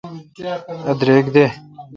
اؘ درک دے۔